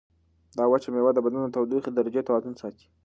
دا وچه مېوه د بدن د تودوخې د درجې توازن ساتي.